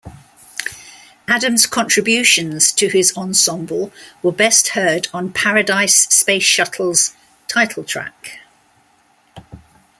Adams' contributions to his ensemble were best heard on "Paradise Space Shuttle"'s title track.